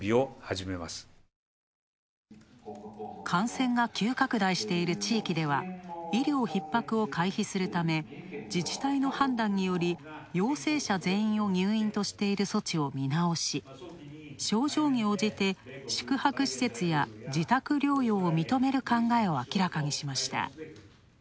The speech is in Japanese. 感染が急拡大している地域では、医療ひっ迫を回避するため自治体の判断により陽性者全員を入院としている措置を見直し症状に応じて宿泊施設や自宅療養を認める考えを明らかにしました